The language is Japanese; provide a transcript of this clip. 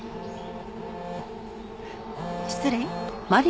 失礼。